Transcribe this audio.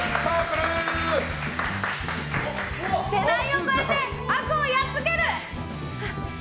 世代を超えて悪をやっつける！